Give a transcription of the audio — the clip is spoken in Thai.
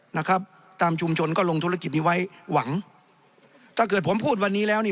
นะครับตามชุมชนก็ลงธุรกิจนี้ไว้หวังถ้าเกิดผมพูดวันนี้แล้วนี่